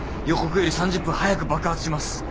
予告より３０分早く爆発します。